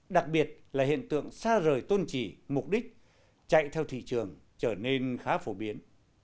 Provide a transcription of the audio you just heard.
đặc biệt là hiện tượng xa rời tôn trì mục đích chạy theo thị trường trở nên khá phổ biến